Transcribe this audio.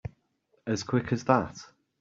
As quick as that?